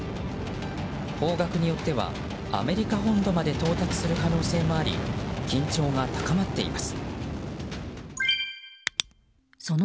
方角によってはアメリカ本土まで到達する可能性もあり緊張が高まっています。